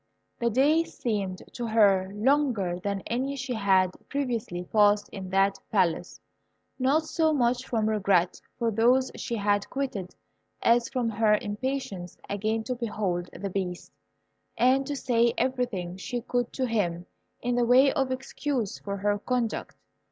The day seemed to her longer than any she had previously passed in that Palace, not so much from regret for those she had quitted as from her impatience again to behold the Beast, and to say everything she could to him in the way of excuse for her conduct.